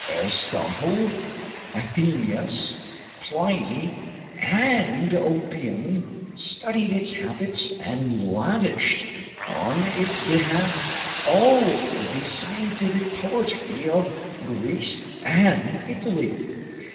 Aristotle, Athenaeus, Pliny, and Oppian studied its habits and lavished on its behalf all the scientific poetry of Greece and Italy.